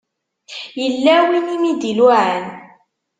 Yella win i m-d-iluɛan?